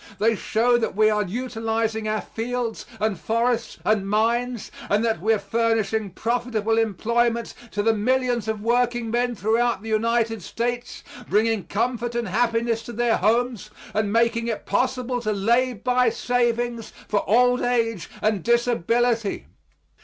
They show that we are utilizing our fields and forests and mines, and that we are furnishing profitable employment to the millions of workingmen throughout the United States, bringing comfort and happiness to their homes, and making it possible to lay by savings for old age and disability.